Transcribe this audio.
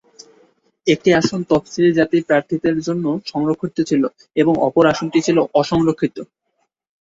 একটি আসন তফসিলি জাতির প্রার্থীদের জন্য সংরক্ষিত ছিল এবং অপর আসনটি ছিল অসংরক্ষিত।